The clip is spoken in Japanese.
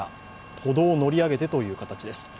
歩道に乗り上げてという形です。